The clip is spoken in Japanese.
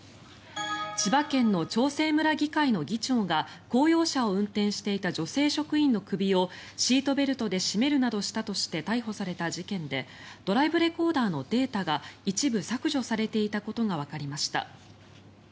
千葉県の長生村議会の議長が公用車を運転していた女性職員の首をシートベルトで絞めるなどしたとして逮捕された事件でドライブレコーダーのデータが一部、削除されていたことがわかりました。